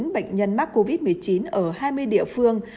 bốn bệnh nhân mắc covid một mươi chín ở hai mươi địa phương